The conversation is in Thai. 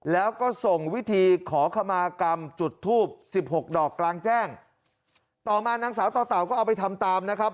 แล้วก็ส่งวิธีขอขมากรรมจุดทูบสิบหกดอกกลางแจ้งต่อมานางสาวต่อเต่าก็เอาไปทำตามนะครับ